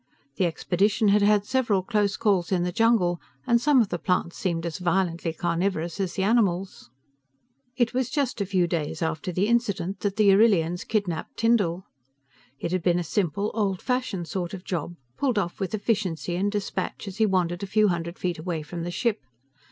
The expedition had had several close calls in the jungle, and some of the plants seemed as violently carnivorous as the animals. It was just a few days after the incident that the Arrillians kidnapped Tyndall. It had been a simple, old fashioned sort of job, pulled off with efficiency and dispatch as he wandered a few hundred feet away from the ship.